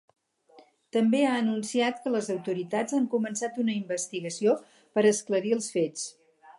També ha anunciat que les autoritats han començat una investigació per esclarir els fets.